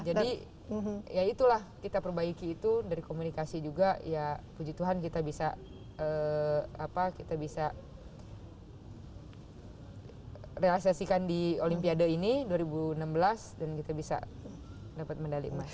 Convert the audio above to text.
jadi ya itulah kita perbaiki itu dari komunikasi juga ya puji tuhan kita bisa apa kita bisa realisasikan di olimpiade ini dua ribu enam belas dan kita bisa dapat mendali mas